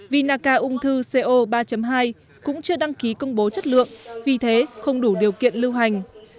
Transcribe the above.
vinaca ung thư co ba hai cũng chưa đăng ký công bố chất lượng vì thế không đủ điều kiện lưu hành